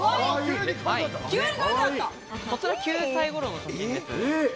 こちら９歳頃の写真です。